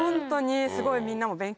すごいみんなも勉強になって。